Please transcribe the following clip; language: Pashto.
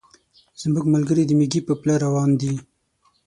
زموږ ملګري د مېږي په پله روان دي.